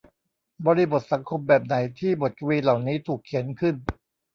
บริบทสังคมแบบไหนที่บทกวีเหล่านี้ถูกเขียนขึ้น